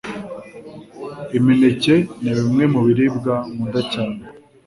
Imineke nibimwe mubiribwa nkunda cyane